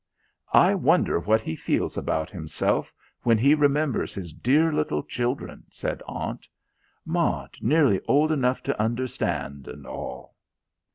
"I wonder what he feels about himself, when he remembers his dear little children," said Aunt. "Maud nearly old enough to understand, and all!"